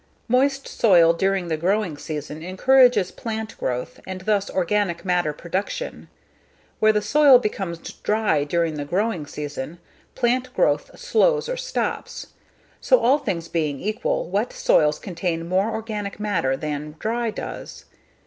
Moist soil during the growing season encourages plant growth and thus organic matter production. Where the soil becomes dry during the growing season, plant growth slows or stops. So, all things being equal, wet soils contain more organic matter than dry ones.